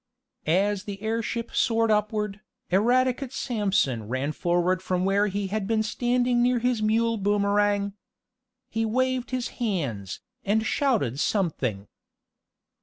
As the airship soared upward, Eradicate Sampson ran forward from where he had been standing near his mule Boomerang. He waved his hands, and shouted something.